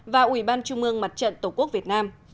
và ủy ban trung ương mặt trận tổ quốc việt nam